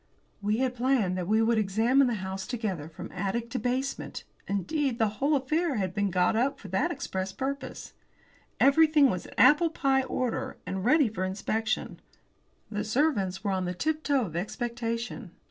We had planned that we would examine the house together from attic to basement; indeed, the whole affair had been got up for that express purpose. Everything was in apple pie order and ready for inspection. The servants were on the tiptoe of expectation.